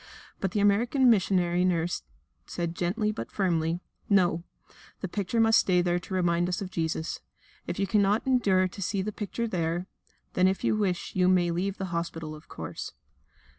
But the American missionary nurse said gently, but firmly: "No, the picture must stay there to remind us of Jesus. If you cannot endure to see the picture there, then if you wish you may leave the hospital, of course."